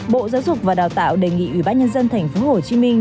bộ giáo dục và đào tạo đề nghị ủy ban nhân dân tp hcm